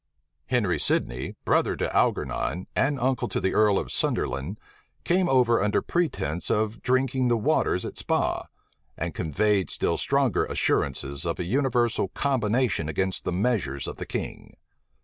Henry Sidney, brother to Algernon, and uncle to the earl of Sunderland, came over under pretence of drinking the waters at Spaw, and conveyed still stronger assurances of a universal combination against the measures of the king.